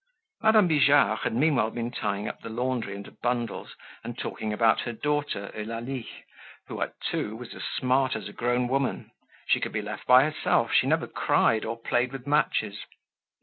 Madame Bijard had meanwhile been tying the laundry up into bundles and talking about her daughter, Eulalie, who at two was as smart as a grown woman. She could be left by herself; she never cried or played with matches.